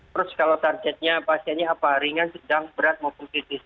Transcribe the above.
terus kalau targetnya pasiennya apa ringan sedang berat maupun kritis